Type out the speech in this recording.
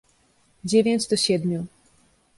"Dziewięć do siedmiu."